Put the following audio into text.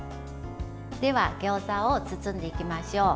では、ギョーザを包んでいきましょう。